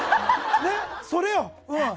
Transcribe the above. それよ。